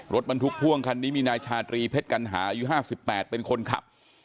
รถบรรทุกพ่วงคันนี้มีนายชาตรีเพชรกัณหาอายุ๕๘เป็นคนขับ